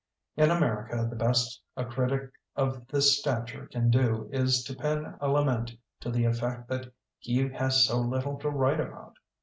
In America the best a critic of this stature can do is to pen a lament to the effect that he has so little to write about.